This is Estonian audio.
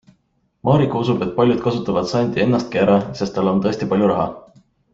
Maarika usub, et paljud kasutavad Zandi ennastki ära, sest tal on tõesti palju raha.